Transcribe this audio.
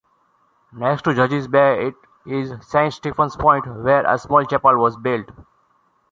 Next to Judges Bay is Saint Stephen's point, where a small chapel was built.